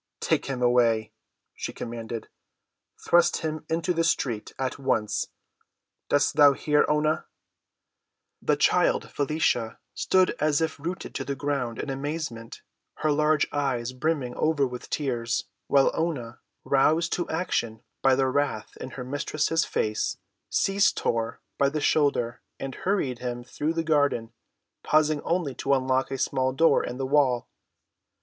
"Take him away," she commanded. "Thrust him into the street—at once. Dost thou hear, Oonah!" The child, Felicia, stood as if rooted to the ground in amazement, her large eyes brimming over with tears, while Oonah, roused to action by the wrath in her mistress's face, seized Tor by the shoulder and hurried him through the garden, pausing only to unlock a small door in the wall.